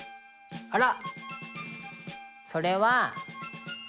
あら！